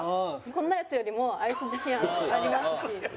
こんなヤツよりも愛す自信ありますし。